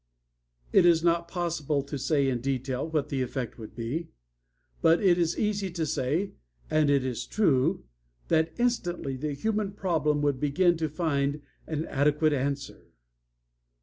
It is not possible to say in detail what the effect would be. But it is easy to say, and it is true, that instantly the human problem would begin to find an adequate answer.